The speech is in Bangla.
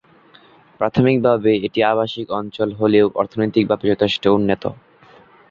প্রাথমিকভাবে এটি আবাসিক অঞ্চল হলেও অর্থনৈতিকভাবে যথেষ্ট উন্নত।